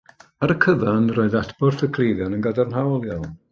Ar y cyfan, roedd adborth y cleifion yn gadarnhaol iawn